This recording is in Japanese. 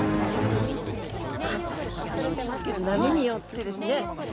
なんとこの打ちつける波によってですね